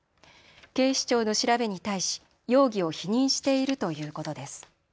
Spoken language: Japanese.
警視庁の調べに対し容疑を否認しているということです。